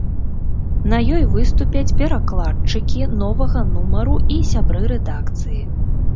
На ёй выступяць перакладчыкі новага нумару і сябры рэдакцыі.